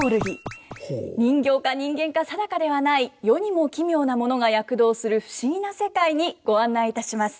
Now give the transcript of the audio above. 人形か人間か定かではない世にも奇妙なものが躍動する不思議な世界にご案内いたします。